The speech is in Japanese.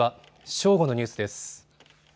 正午のニュースです。